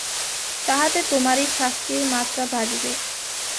তাহাতে তোমারই শাস্তির মাত্রা বাড়িবে।